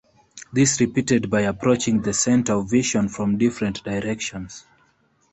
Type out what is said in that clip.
This repeated by approaching the center of vision from different directions.